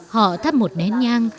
họ thắp một nén nhang